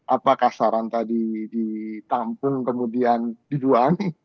apakah saran tadi ditampung kemudian dibuang